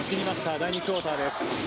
第２クオーターです。